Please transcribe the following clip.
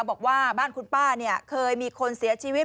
บอกว่าบ้านคุณป้าเนี่ยเคยมีคนเสียชีวิต